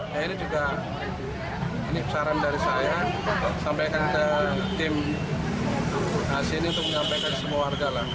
nah ini juga ini saran dari saya sampai kita tim aslinya untuk mengampekan semua warga lah